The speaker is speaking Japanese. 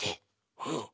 うん！